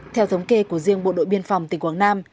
theo thống kê của riêng bộ đội biên phòng tỉnh quảng nam